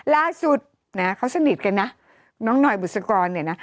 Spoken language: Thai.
ล่าสุดนะเขาสนิทกันนะน้องหน่อยบุษกรเนี่ยนะ